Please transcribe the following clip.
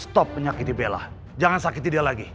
stop menyakiti bella jangan sakiti dia lagi